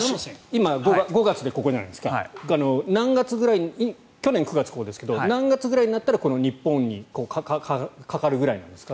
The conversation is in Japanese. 今５月でここじゃないですか去年９月はここですが何月くらいになったら日本にかかるぐらいなんですか？